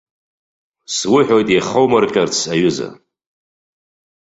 Суҳәоит иахумырҟьарц, аҩыза!